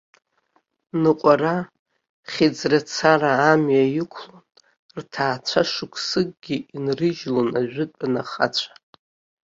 Ныҟәара, хьыӡрацара амҩа иқәлон, рҭаацәа шықәсыкгьы инрыжьлон ажәытәан ахацәа.